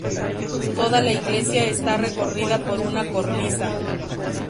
Toda la iglesia está recorrida por una cornisa.